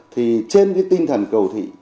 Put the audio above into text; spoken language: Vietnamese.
thì trên cái tinh thần cầu thị